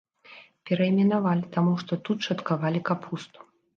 Перайменавалі, таму што тут шаткавалі капусту.